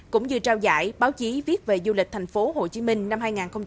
cũng như trao giải báo chí viết về du lịch tp hcm năm hai nghìn một mươi bảy